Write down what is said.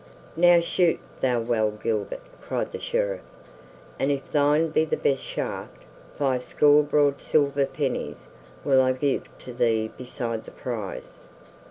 "Now, shoot thou well, Gilbert," cried the Sheriff, "and if thine be the best shaft, fivescore broad silver pennies will I give to thee beside the prize."